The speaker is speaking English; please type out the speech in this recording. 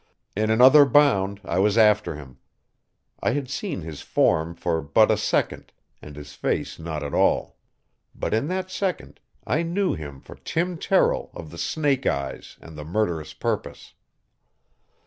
In another bound I was after him. I had seen his form for but a second, and his face not at all. But in that second I knew him for Tim Terrill of the snake eyes and the murderous purpose.